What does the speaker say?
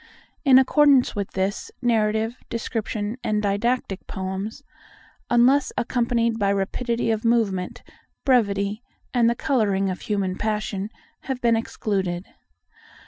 In accordance with this, narrative, descriptive, and didactic poems—unless accompanied by rapidity of movement, brevity, and the colouring of human passion—have been excluded.